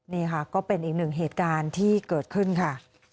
นี่ค่ะก็เป็นอีกหนึ่งเหตุการณ์ที่เกิดขึ้นค่ะ